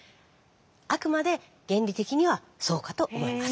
あくまで原理的にはそうかと思います。